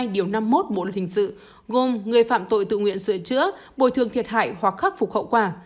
điều năm mươi một bộ luật hình sự gồm người phạm tội tự nguyện sửa chữa bồi thường thiệt hại hoặc khắc phục hậu quả